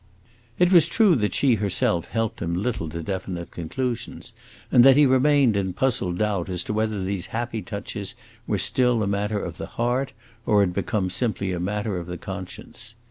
It was true that she herself helped him little to definite conclusions, and that he remained in puzzled doubt as to whether these happy touches were still a matter of the heart, or had become simply a matter of the conscience.